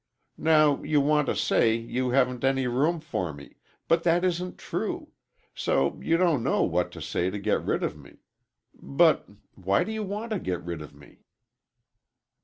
Now, you want to say you haven't any room for me—but that isn't true; so you don't know what to say to get rid of me. But—why do you want to get rid of me?"